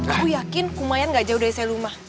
aku yakin kumayan gak jauh dari selumah